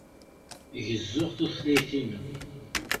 Gezzuɣ tutlayt-inem.